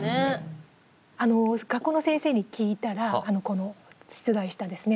学校の先生に聞いたらこの出題したですね。